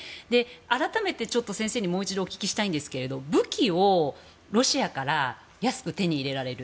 改めて、先生にもう一度お聞きしたいんですけれど武器をロシアから安く手に入れられる。